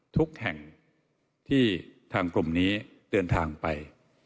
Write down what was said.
ทุกแห่งที่ทางกลุ่มนี้เดินทางไป